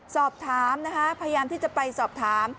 สอบถามนะคะพยายามที่จะไปสอบถาม